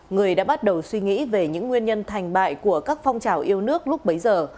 người đã bắt đầu suy nghĩ về những nguyên nhân thành bại của các phong trào yêu nước lúc bấy giờ